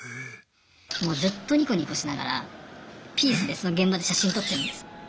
もうずっとにこにこしながらピースでその現場で写真撮ってるんですよ。